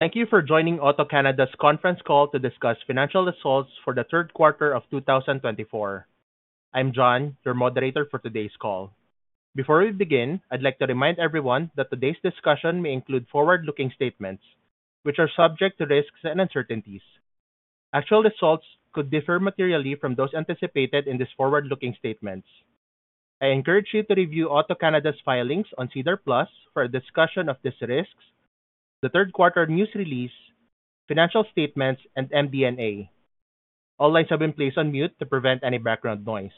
Thank you for joining AutoCanada's conference call to discuss financial results for the third quarter of 2024. I'm John, your moderator for today's call. Before we begin, I'd like to remind everyone that today's discussion may include forward-looking statements, which are subject to risks and uncertainties. Actual results could differ materially from those anticipated in these forward-looking statements. I encourage you to review AutoCanada's filings on SEDAR+ for a discussion of these risks, the third-quarter news release, financial statements, and MD&A. All lines have been placed on mute to prevent any background noise.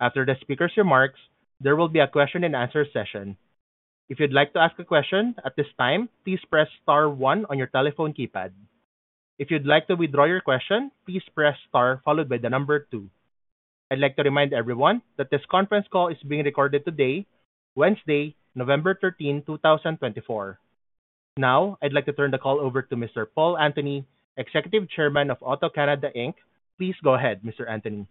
After the speaker's remarks, there will be a question-and-answer session. If you'd like to ask a question at this time, please press *1 on your telephone keypad. If you'd like to withdraw your question, please press * followed by the number 2. I'd like to remind everyone that this conference call is being recorded today, Wednesday, November 13, 2024. Now, I'd like to turn the call over to Mr. Paul Antony, Executive Chairman of AutoCanada, Inc. Please go ahead, Mr. Antony.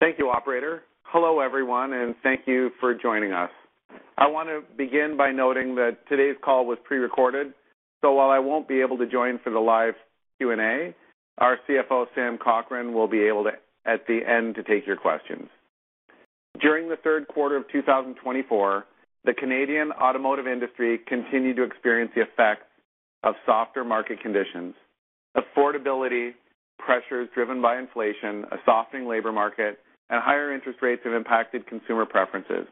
Thank you, Operator. Hello, everyone, and thank you for joining us. I want to begin by noting that today's call was pre-recorded, so while I won't be able to join for the live Q&A, our CFO, Sam Cochrane, will be able to, at the end, take your questions. During the third quarter of 2024, the Canadian automotive industry continued to experience the effects of softer market conditions. Affordability pressures driven by inflation, a softening labor market, and higher interest rates have impacted consumer preferences.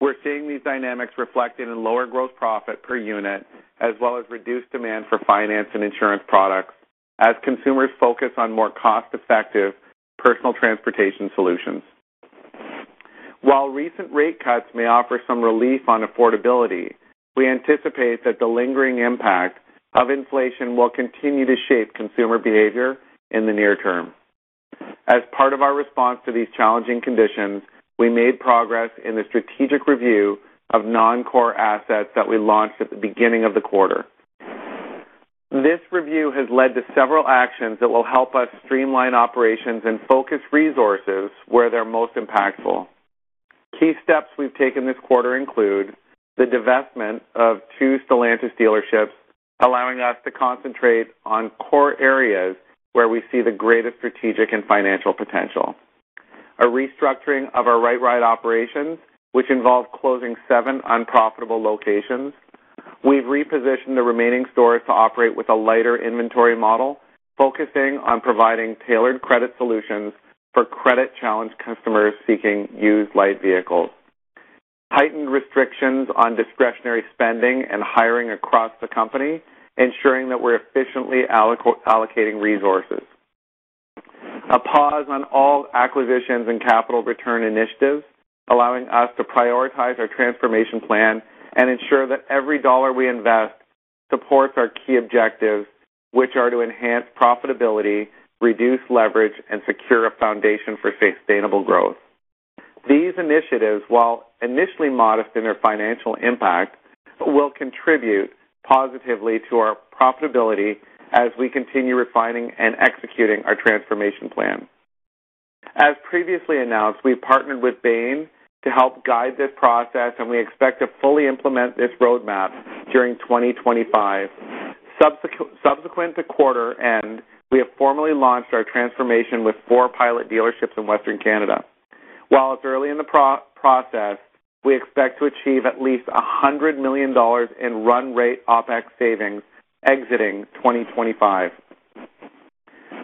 We're seeing these dynamics reflected in lower gross profit per unit, as well as reduced demand for finance and insurance products, as consumers focus on more cost-effective personal transportation solutions. While recent rate cuts may offer some relief on affordability, we anticipate that the lingering impact of inflation will continue to shape consumer behavior in the near term. As part of our response to these challenging conditions, we made progress in the strategic review of non-core assets that we launched at the beginning of the quarter. This review has led to several actions that will help us streamline operations and focus resources where they're most impactful. Key steps we've taken this quarter include the divestment of two Stellantis dealerships, allowing us to concentrate on core areas where we see the greatest strategic and financial potential. A restructuring of our RightRide operations, which involved closing seven unprofitable locations. We've repositioned the remaining stores to operate with a lighter inventory model, focusing on providing tailored credit solutions for credit-challenged customers seeking used light vehicles. Tightened restrictions on discretionary spending and hiring across the company, ensuring that we're efficiently allocating resources. A pause on all acquisitions and capital return initiatives, allowing us to prioritize our transformation plan and ensure that every dollar we invest supports our key objectives, which are to enhance profitability, reduce leverage, and secure a foundation for sustainable growth. These initiatives, while initially modest in their financial impact, will contribute positively to our profitability as we continue refining and executing our transformation plan. As previously announced, we've partnered with Bain to help guide this process, and we expect to fully implement this roadmap during 2025. Subsequent to quarter end, we have formally launched our transformation with four pilot dealerships in Western Canada. While it's early in the process, we expect to achieve at least 100 million dollars in run-rate OPEX savings exiting 2025.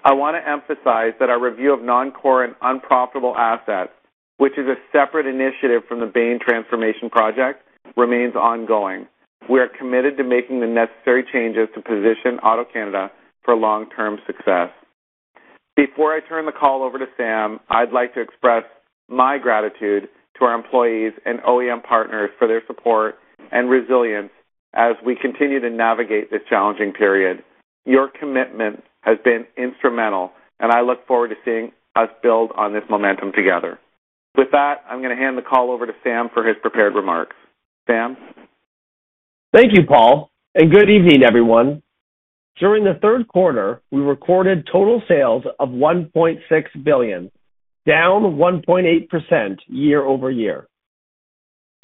I want to emphasize that our review of non-core and unprofitable assets, which is a separate initiative from the Bain transformation project, remains ongoing. We are committed to making the necessary changes to position AutoCanada for long-term success. Before I turn the call over to Sam, I'd like to express my gratitude to our employees and OEM partners for their support and resilience as we continue to navigate this challenging period. Your commitment has been instrumental, and I look forward to seeing us build on this momentum together. With that, I'm going to hand the call over to Sam for his prepared remarks. Sam? Thank you, Paul, and good evening, everyone. During the third quarter, we recorded total sales of 1.6 billion, down 1.8% year over year,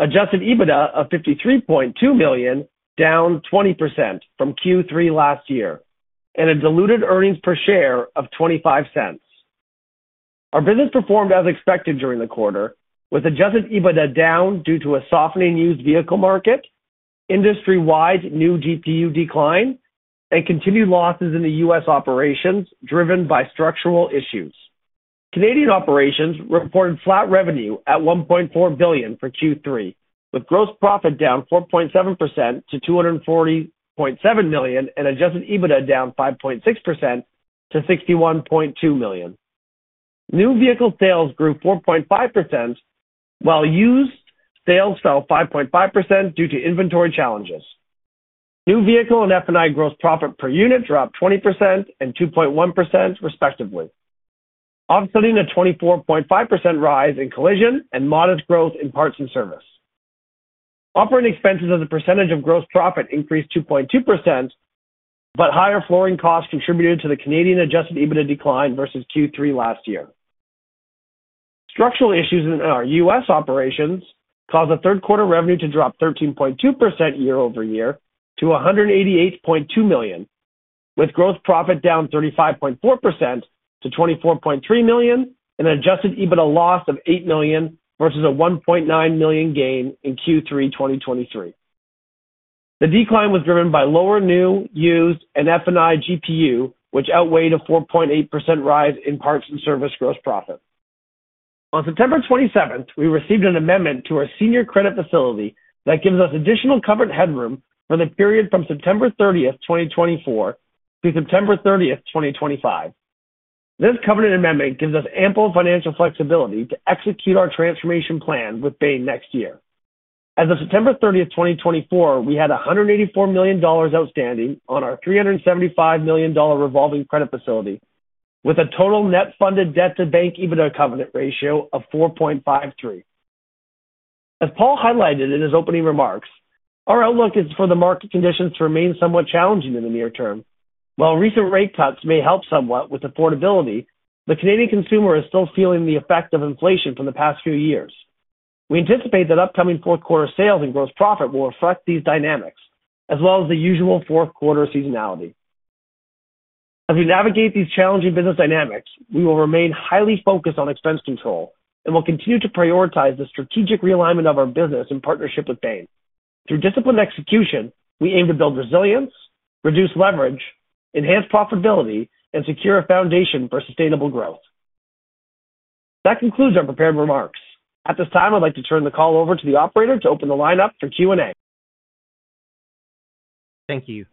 Adjusted EBITDA of 53.2 million, down 20% from Q3 last year, and a diluted earnings per share of 0.25. Our business performed as expected during the quarter, with adjusted EBITDA down due to a softening used vehicle market, industry-wide new GPU decline, and continued losses in the U.S. operations driven by structural issues. Canadian operations reported flat revenue at 1.4 billion for Q3, with gross profit down 4.7% to 240.7 million and Adjusted EBITDA down 5.6% to 61.2 million. New vehicle sales grew 4.5%, while used sales fell 5.5% due to inventory challenges. New vehicle and F&I gross profit per unit dropped 20% and 2.1%, respectively, offsetting a 24.5% rise in collision and modest growth in parts and service. Operating expenses as a percentage of gross profit increased 2.2%, but higher flooring costs contributed to the Canadian Adjusted EBITDA decline versus Q3 last year. Structural issues in our U.S. operations caused the third-quarter revenue to drop 13.2% year over year to $188.2 million, with gross profit down 35.4% to $24.3 million and an Adjusted EBITDA loss of $8 million versus a $1.9 million gain in Q3 2023. The decline was driven by lower new, used, and F&I GPU, which outweighed a 4.8% rise in parts and service gross profit. On September 27, we received an amendment to our senior credit facility that gives us additional covenant headroom for the period from September 30, 2024, through September 30, 2025. This covenant amendment gives us ample financial flexibility to execute our transformation plan with Bain next year. As of September 30, 2024, we had 184 million dollars outstanding on our 375 million dollar revolving credit facility, with a total net funded debt-to-bank EBITDA covenant ratio of 4.53. As Paul highlighted in his opening remarks, our outlook is for the market conditions to remain somewhat challenging in the near term. While recent rate cuts may help somewhat with affordability, the Canadian consumer is still feeling the effect of inflation from the past few years. We anticipate that upcoming fourth-quarter sales and gross profit will reflect these dynamics, as well as the usual fourth-quarter seasonality. As we navigate these challenging business dynamics, we will remain highly focused on expense control and will continue to prioritize the strategic realignment of our business in partnership with Bain. Through disciplined execution, we aim to build resilience, reduce leverage, enhance profitability, and secure a foundation for sustainable growth. That concludes our prepared remarks. At this time, I'd like to turn the call over to the Operator to open the line up for Q&A. Thank you.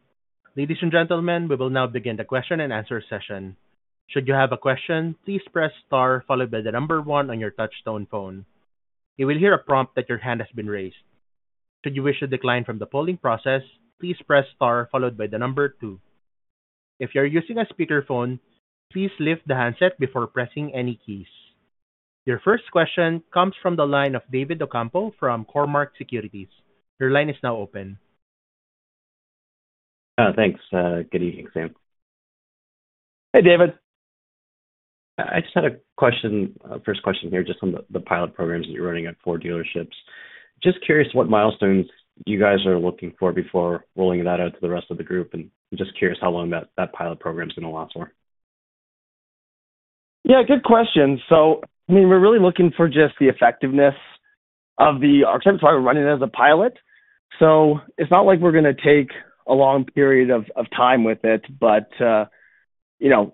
Ladies and gentlemen, we will now begin the question-and-answer session. Should you have a question, please press * followed by the number one on your touch-tone phone. You will hear a prompt that your hand has been raised. Should you wish to decline from the polling process, please press * followed by the number two. If you're using a speakerphone, please lift the handset before pressing any keys. Your first question comes from the line of David Ocampo from Cormark Securities. Your line is now open. Thanks. Good evening, Sam. Hey, David. I just had a question, first question here, just on the pilot programs that you're running at four dealerships. Just curious what milestones you guys are looking for before rolling that out to the rest of the group, and just curious how long that pilot program's going to last for? Yeah, good question, so, I mean, we're really looking for just the effectiveness of the architecture we're running as a pilot, so it's not like we're going to take a long period of time with it, but we're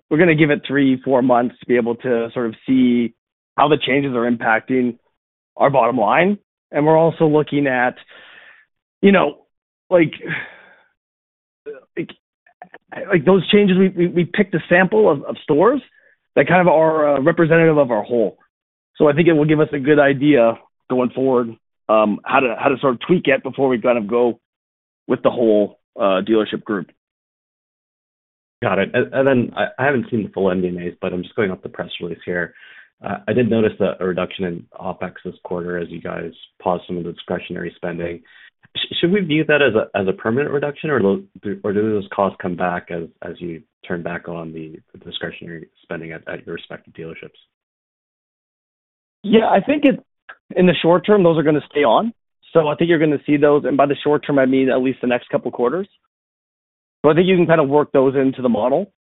going to give it three, four months to be able to sort of see how the changes are impacting our bottom line, and we're also looking at those changes. We picked a sample of stores that kind of are representative of our whole, so I think it will give us a good idea going forward how to sort of tweak it before we kind of go with the whole dealership group. Got it. And then I haven't seen the full MD&As, but I'm just going off the press release here. I did notice a reduction in OPEX this quarter as you guys paused some of the discretionary spending. Should we view that as a permanent reduction, or do those costs come back as you turn back on the discretionary spending at your respective dealerships? Yeah, I think in the short term, those are going to stay on. So I think you're going to see those. And by the short term, I mean at least the next couple of quarters. So I think you can kind of work those into the model.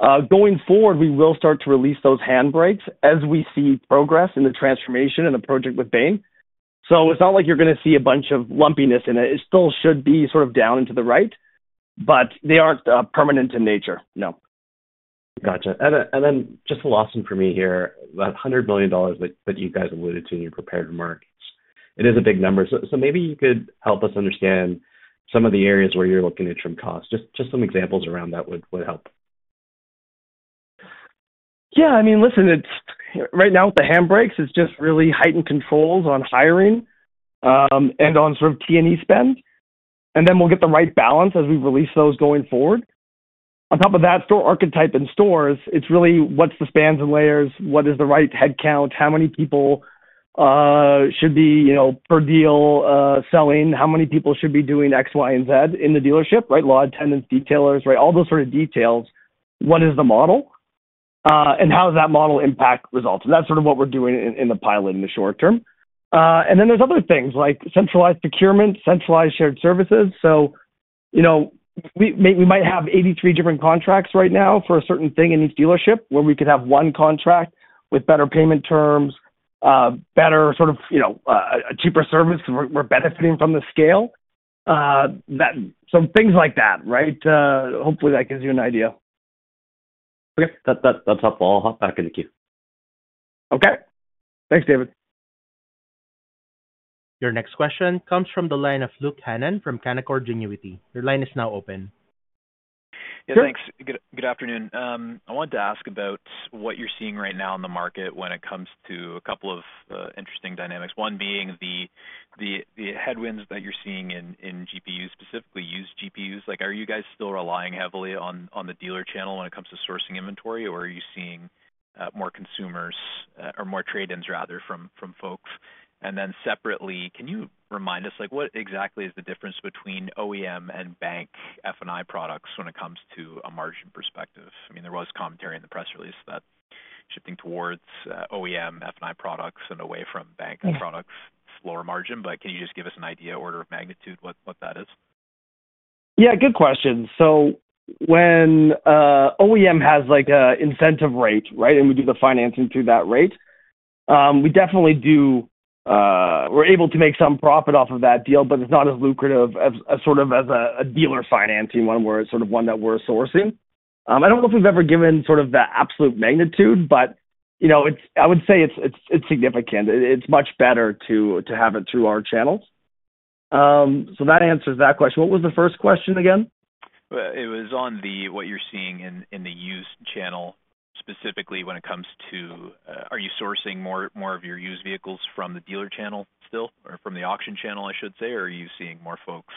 Going forward, we will start to release those handbrakes as we see progress in the transformation and the project with Bain. So it's not like you're going to see a bunch of lumpiness in it. It still should be sort of down and to the right, but they aren't permanent in nature. No. Gotcha, and then just a little ask for me here, that 100 million dollars that you guys alluded to in your prepared remarks, it is a big number. So maybe you could help us understand some of the areas where you're looking to trim costs. Just some examples around that would help. Yeah, I mean, listen, right now with the handbrakes, it's just really heightened controls on hiring and on sort of T&E spend. And then we'll get the right balance as we release those going forward. On top of that, store archetype and stores, it's really what's the spans and layers, what is the right headcount, how many people should be per deal selling, how many people should be doing X, Y, and Z in the dealership, right? Lot attendants, detailers, right? All those sort of details, what is the model, and how does that model impact results? And that's sort of what we're doing in the pilot in the short term. And then there's other things like centralized procurement, centralized shared services. So we might have 83 different contracts right now for a certain thing in each dealership, where we could have one contract with better payment terms, better sort of cheaper service because we're benefiting from the scale. So things like that, right? Hopefully, that gives you an idea. Okay. That's helpful. I'll hop back into queue. Okay. Thanks, David. Your next question comes from the line of Luke Hannan from Canaccord Genuity. Your line is now open. Hey, thanks. Good afternoon. I wanted to ask about what you're seeing right now in the market when it comes to a couple of interesting dynamics, one being the headwinds that you're seeing in GPUs, specifically used GPUs. Are you guys still relying heavily on the dealer channel when it comes to sourcing inventory, or are you seeing more consumers or more trade-ins, rather, from folks? And then separately, can you remind us, what exactly is the difference between OEM and bank F&I products when it comes to a margin perspective? I mean, there was commentary in the press release that shifting towards OEM F&I products and away from bank products, lower margin, but can you just give us an idea, order of magnitude, what that is? Yeah, good question. So when OEM has an incentive rate, right, and we do the financing through that rate, we definitely do. We're able to make some profit off of that deal, but it's not as lucrative sort of as a dealer financing one where it's sort of one that we're sourcing. I don't know if we've ever given sort of the absolute magnitude, but I would say it's significant. It's much better to have it through our channels. So that answers that question. What was the first question again? It was on what you're seeing in the used channel, specifically when it comes to are you sourcing more of your used vehicles from the dealer channel still, or from the auction channel, I should say, or are you seeing more folks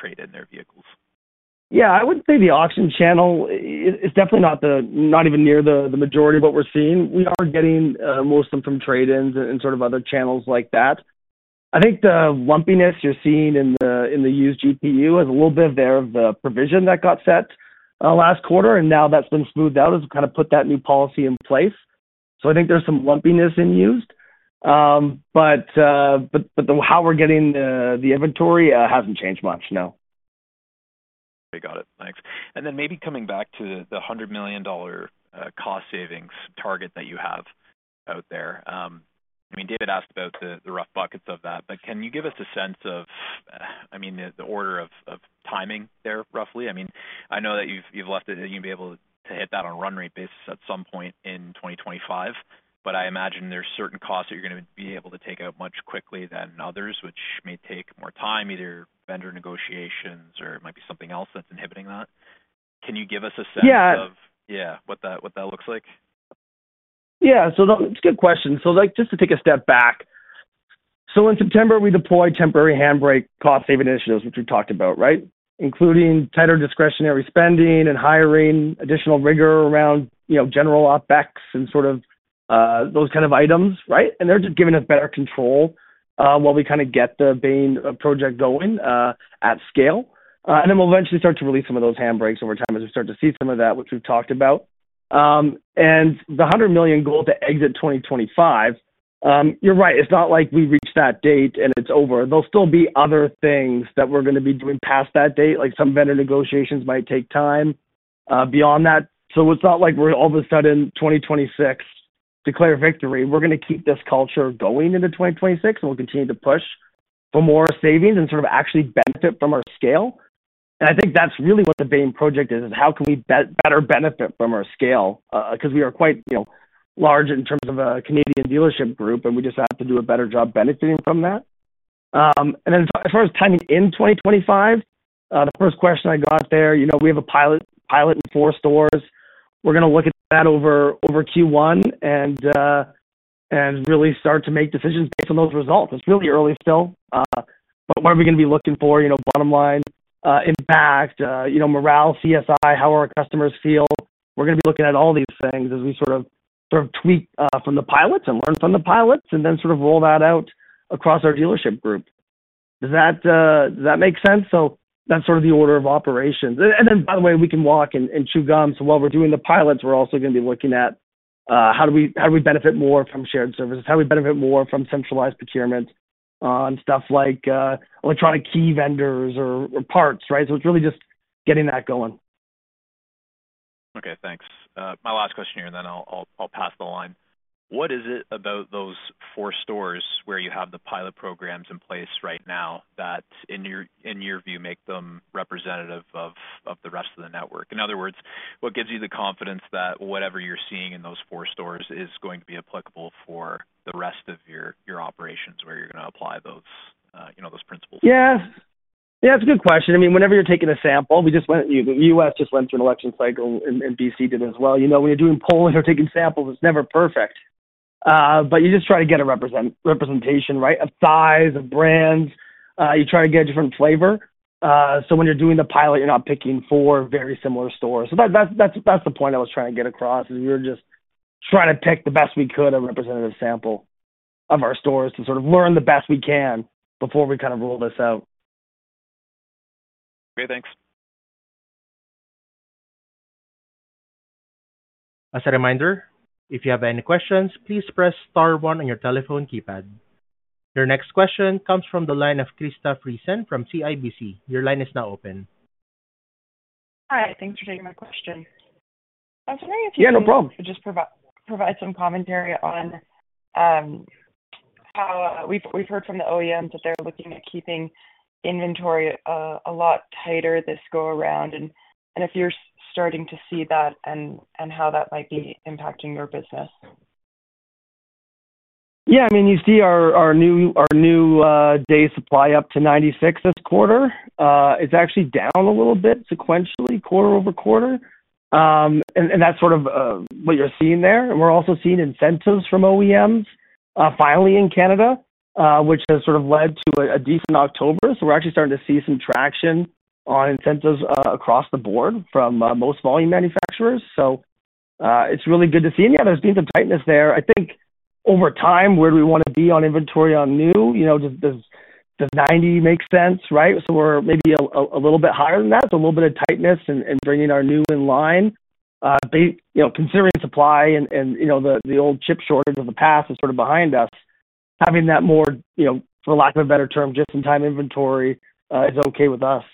trade in their vehicles? Yeah, I wouldn't say the auction channel. It's definitely not even near the majority of what we're seeing. We are getting most of them from trade-ins and sort of other channels like that. I think the lumpiness you're seeing in the used GPU has a little bit of the provision that got set last quarter, and now that's been smoothed out as we kind of put that new policy in place. So I think there's some lumpiness in used, but how we're getting the inventory hasn't changed much, no. Okay, got it. Thanks. And then maybe coming back to the 100 million dollar cost savings target that you have out there. I mean, David asked about the rough buckets of that, but can you give us a sense of, I mean, the order of timing there, roughly? I mean, I know that you've left it that you'll be able to hit that on a run-rate basis at some point in 2025, but I imagine there's certain costs that you're going to be able to take out much quickly than others, which may take more time, either vendor negotiations or it might be something else that's inhibiting that. Can you give us a sense of? Yeah. Yeah, what that looks like? Yeah. So that's a good question. So just to take a step back, so in September, we deployed temporary handbrake cost-saving initiatives, which we've talked about, right, including tighter discretionary spending and hiring, additional rigor around general OPEX and sort of those kind of items, right? And they're just giving us better control while we kind of get the Bain project going at scale. And then we'll eventually start to release some of those handbrakes over time as we start to see some of that, which we've talked about. And the 100 million goal to exit 2025, you're right, it's not like we reach that date and it's over. There'll still be other things that we're going to be doing past that date. Some vendor negotiations might take time beyond that. So it's not like we're all of a sudden 2026, declare victory. We're going to keep this culture going into 2026, and we'll continue to push for more savings and sort of actually benefit from our scale. And I think that's really what the Bain project is, is how can we better benefit from our scale because we are quite large in terms of a Canadian dealership group, and we just have to do a better job benefiting from that. And then as far as timing in 2025, the first question I got there, we have a pilot in four stores. We're going to look at that over Q1 and really start to make decisions based on those results. It's really early still, but what are we going to be looking for? Bottom line, impact, morale, CSI, how our customers feel. We're going to be looking at all these things as we sort of tweak from the pilots and learn from the pilots and then sort of roll that out across our dealership group. Does that make sense? So that's sort of the order of operations. And then, by the way, we can walk and chew gum. So while we're doing the pilots, we're also going to be looking at how do we benefit more from shared services, how do we benefit more from centralized procurement on stuff like electronic key vendors or parts, right? So it's really just getting that going. Okay, thanks. My last question here, and then I'll pass the line. What is it about those four stores where you have the pilot programs in place right now that, in your view, make them representative of the rest of the network? In other words, what gives you the confidence that whatever you're seeing in those four stores is going to be applicable for the rest of your operations where you're going to apply those principles? Yeah. Yeah, it's a good question. I mean, whenever you're taking a sample, we just went, the U.S. just went through an election cycle, and B.C. did as well. When you're doing polling or taking samples, it's never perfect, but you just try to get a representation, right, of size, of brands. You try to get a different flavor. So when you're doing the pilot, you're not picking four very similar stores. So that's the point I was trying to get across, is we were just trying to pick the best we could, a representative sample of our stores to sort of learn the best we can before we kind of roll this out. Okay, thanks. As a reminder, if you have any questions, please press * on your telephone keypad. Your next question comes from the line of Krista Friesen from CIBC. Your line is now open. Hi, thanks for taking my question. I was wondering if you could. Yeah, no problem. Just provide some commentary on how we've heard from the OEMs that they're looking at keeping inventory a lot tighter this go around, and if you're starting to see that and how that might be impacting your business? Yeah, I mean, you see our new day supply up to 96 this quarter. It's actually down a little bit sequentially, quarter over quarter. And that's sort of what you're seeing there. We're also seeing incentives from OEMs, finally in Canada, which has sort of led to a decent October. So we're actually starting to see some traction on incentives across the board from most volume manufacturers. So it's really good to see. And yeah, there's been some tightness there. I think over time, where do we want to be on inventory on new? Does 90 make sense, right? So we're maybe a little bit higher than that. So a little bit of tightness in bringing our new in line. Considering supply and the old chip shortage of the past is sort of behind us, having that more, for lack of a better term, just-in-time inventory is okay with us,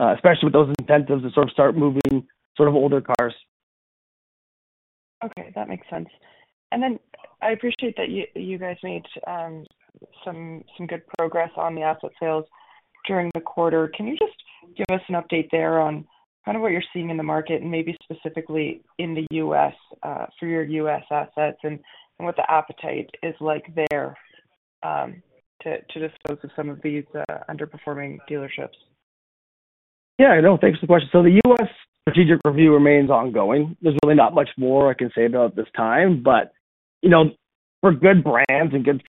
especially with those incentives to sort of start moving sort of older cars. Okay, that makes sense. And then I appreciate that you guys made some good progress on the asset sales during the quarter. Can you just give us an update there on kind of what you're seeing in the market and maybe specifically in the U.S. for your U.S. assets and what the appetite is like there to dispose of some of these underperforming dealerships? Yeah, no, thanks for the question. So the U.S. strategic review remains ongoing. There's really not much more I can say about this time, but for good brands and good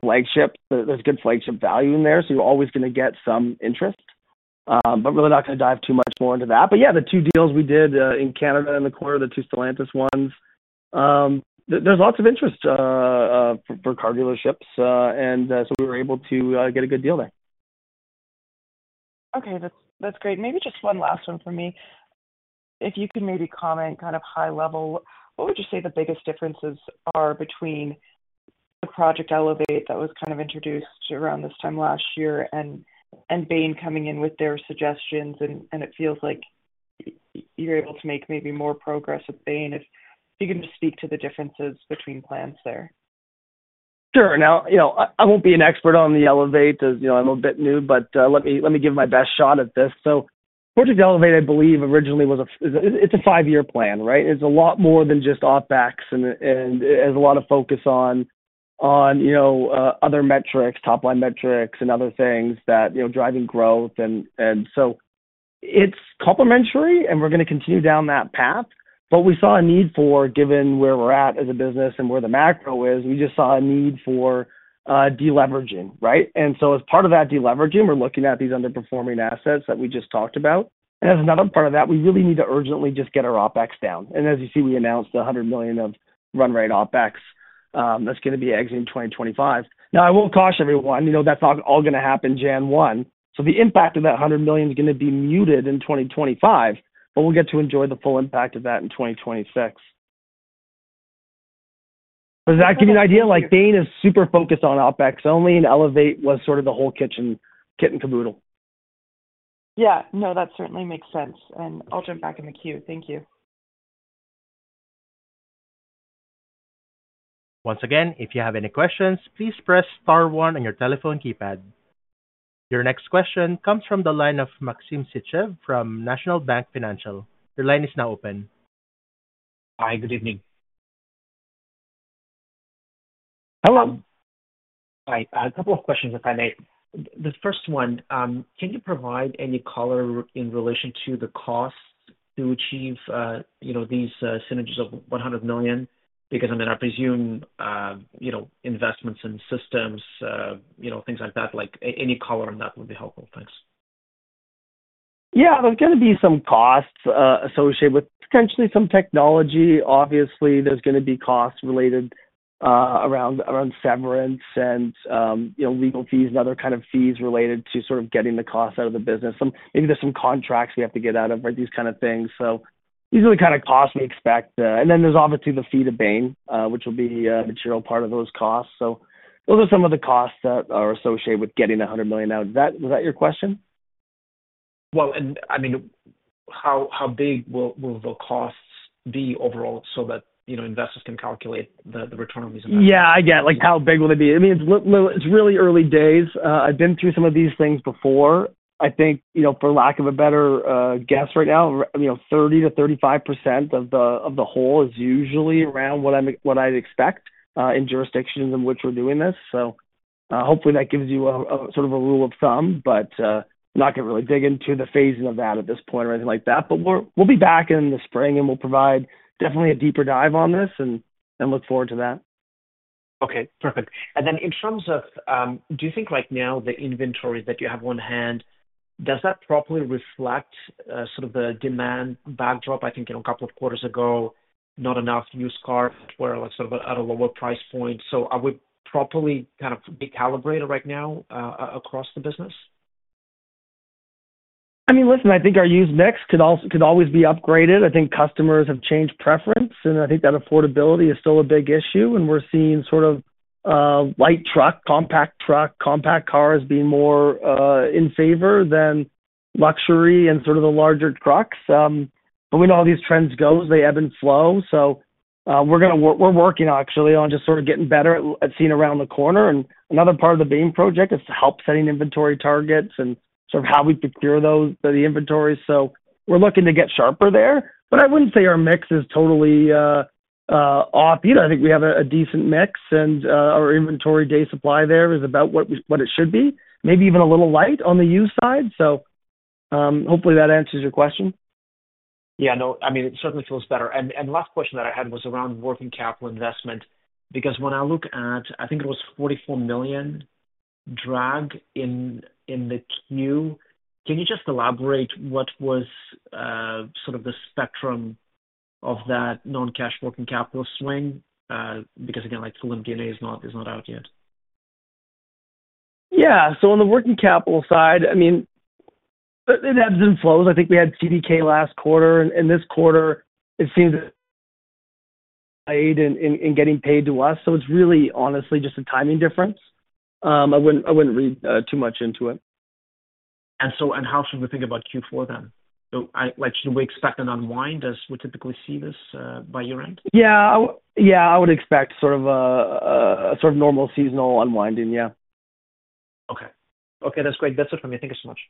flagships, there's good flagship value in there, so you're always going to get some interest. But really not going to dive too much more into that. But yeah, the two deals we did in Canada in the quarter, the two Stellantis ones, there's lots of interest for car dealerships, and so we were able to get a good deal there. Okay, that's great. Maybe just one last one for me. If you can maybe comment kind of high level, what would you say the biggest differences are between Project Elevate that was kind of introduced around this time last year and Bain coming in with their suggestions? And it feels like you're able to make maybe more progress with Bain if you can just speak to the differences between plans there. Sure. Now, I won't be an expert on the Elevate as I'm a bit new, but let me give my best shot at this, so Project Elevate, I believe, originally was a, it's a five-year plan, right? It's a lot more than just OPEX and has a lot of focus on other metrics, top-line metrics and other things that drive growth, and so it's complementary, and we're going to continue down that path. But we saw a need for, given where we're at as a business and where the macro is, we just saw a need for deleveraging, right, and so as part of that deleveraging, we're looking at these underperforming assets that we just talked about, and as another part of that, we really need to urgently just get our OPEX down. And as you see, we announced the 100 million of run-rate OPEX that's going to be exiting 2025. Now, I want to caution everyone. That's all going to happen January 1, so the impact of that 100 million is going to be muted in 2025, but we'll get to enjoy the full impact of that in 2026. Does that give you an idea? Bain is super focused on OPEX only, and Elevate was sort of the whole kit and caboodle. Yeah. No, that certainly makes sense, and I'll jump back in the queue. Thank you. Once again, if you have any questions, please press * on your telephone keypad. Your next question comes from the line of Maxim Sytchev from National Bank Financial. Your line is now open. Hi, good evening. Hello. Hi. A couple of questions, if I may. The first one, can you provide any color in relation to the costs to achieve these synergies of 100 million? Because I mean, I presume investments in systems, things like that, any color on that would be helpful. Thanks. Yeah, there's going to be some costs associated with potentially some technology. Obviously, there's going to be costs related around severance and legal fees and other kinds of fees related to sort of getting the cost out of the business. Maybe there's some contracts we have to get out of, these kinds of things. So these are the kinds of costs we expect. And then there's obviously the fee to Bain, which will be a material part of those costs. So those are some of the costs that are associated with getting 100 million. Was that your question? I mean, how big will the costs be overall so that investors can calculate the return on these investments? Yeah, I get it. How big will it be? I mean, it's really early days. I've been through some of these things before. I think, for lack of a better guess right now, 30%-35% of the whole is usually around what I'd expect in jurisdictions in which we're doing this. So hopefully, that gives you sort of a rule of thumb, but I'm not going to really dig into the phasing of that at this point or anything like that. But we'll be back in the spring, and we'll provide definitely a deeper dive on this and look forward to that. Okay, perfect. And then in terms of, do you think right now the inventory that you have on hand, does that properly reflect sort of the demand backdrop? I think a couple of quarters ago, not enough used cars were sort of at a lower price point. So are we properly kind of recalibrated right now across the business? I mean, listen, I think our used mix could always be upgraded. I think customers have changed preference, and I think that affordability is still a big issue, and we're seeing sort of light truck, compact truck, compact cars being more in favor than luxury and sort of the larger trucks, but when all these trends go, they ebb and flow, so we're working, actually, on just sort of getting better at seeing around the corner, and another part of the Bain project is help setting inventory targets and sort of how we procure the inventory, so we're looking to get sharper there, but I wouldn't say our mix is totally off. I think we have a decent mix, and our inventory day supply there is about what it should be, maybe even a little light on the used side, so hopefully, that answers your question. Yeah, no, I mean, it certainly feels better. And last question that I had was around working capital investment because when I look at, I think it was 44 million drag in the Q. Can you just elaborate what was sort of the spectrum of that non-cash working capital swing? Because again, like the MD&A is not out yet. Yeah, so on the working capital side, I mean, it ebbs and flows. I think we had CDK last quarter, and this quarter, it seems we're getting paid to us, so it's really, honestly, just a timing difference. I wouldn't read too much into it. How should we think about Q4 then? Should we expect an unwind as we typically see this by year-end? Yeah. Yeah, I would expect sort of normal seasonal unwinding, yeah. Okay. Okay, that's great. That's it for me. Thank you so much.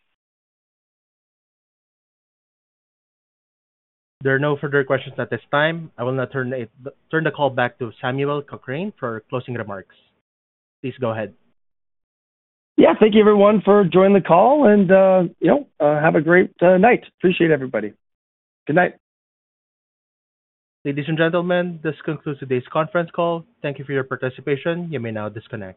There are no further questions at this time. I will now turn the call back to Samuel Cochrane for closing remarks. Please go ahead. Yeah. Thank you, everyone, for joining the call, and have a great night. Appreciate everybody. Good night. Ladies and gentlemen, this concludes today's conference call. Thank you for your participation. You may now disconnect.